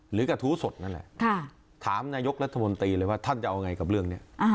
กระทู้สดนั่นแหละถามนายกรัฐมนตรีเลยว่าท่านจะเอาไงกับเรื่องนี้